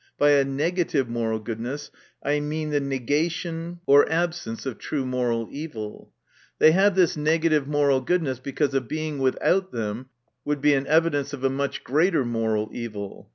By a negative moral goodness, I mean the negation or absence of true moral evil. — Thev have this negative moral goodness, because a being without them would be an evidence of a much greater moral evil.